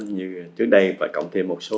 như trước đây và cộng thêm một số